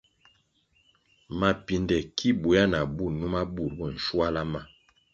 Mapinde ki buéah na bú numa bur bo nschuala ma.